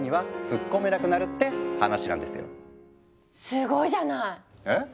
すごいじゃない！え？